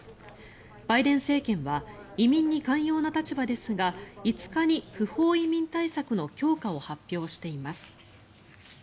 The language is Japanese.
バイデン政権は移民に寛容な立場ですが５日に不法移民対策の強化を発表しています。